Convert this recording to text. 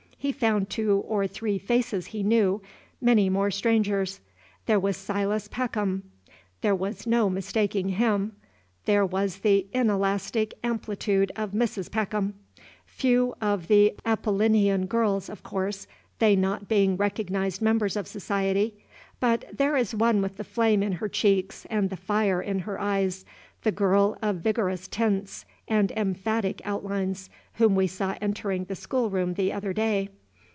He found two or three faces he knew, many more strangers. There was Silas Peckham, there was no mistaking him; there was the inelastic amplitude of Mrs. Peckham; few of the Apollinean girls, of course, they not being recognized members of society, but there is one with the flame in her cheeks and the fire in her eyes, the girl of vigorous tints and emphatic outlines, whom we saw entering the schoolroom the other day.